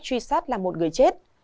truy sát là một người chết